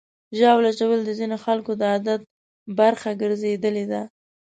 ژاوله ژوول د ځینو خلکو د عادت برخه ګرځېدلې ده.